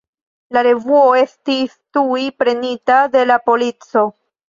La revuo estis tuj prenita de la polico.